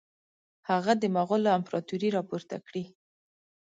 هغه د مغولو امپراطوري را پورته کړي.